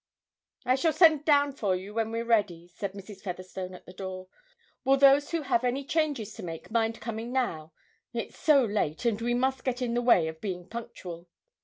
'I shall send down for you when we're ready,' said Mrs. Featherstone at the door. 'Will those who have any changes to make mind coming now it's so late, and we must get in the way of being punctual.'